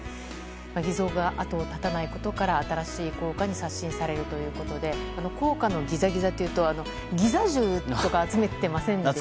偽造が後を絶たないことから新しい硬貨に刷新されるということで硬貨のギザギザというとギザ十とか集めてませんでした？